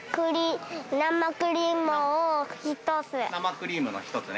生クリームの１つね？